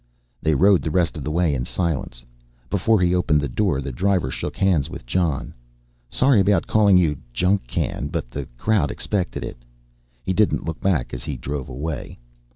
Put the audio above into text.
They rode the rest of the way in silence. Before he opened the door the driver shook hands with Jon. "Sorry about calling you junkcan, but the crowd expected it." He didn't look back as he drove away.